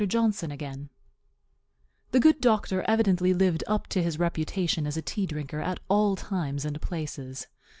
JOHNSON AGAIN_ The good doctor evidently lived up to his reputation as a tea drinker at all times and places.